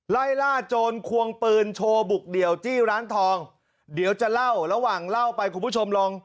ไล่ล่าโจรควงปืนโชว์บุกเดี่ยวจี้ร้านทองเดี๋ยวจะเล่าระหว่างเล่าไปคุณผู้ชมลอง